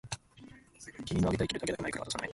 君のあげたいけれどあげたくないから渡さない